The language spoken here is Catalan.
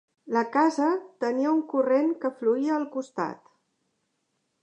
La casa tenia un corrent que fluïa al costat.